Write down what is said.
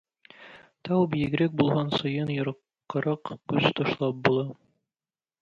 Тау биегрәк булган саен ераккарак күз ташлап була.